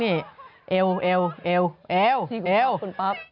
ศีลรูปท่านคุณพ่อ